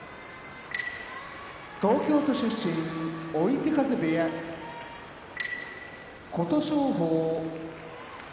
東京都出身追手風部屋琴勝峰